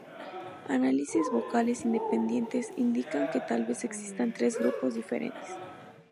Análisis vocales independientes indican que tal vez existan tres grupos diferentes.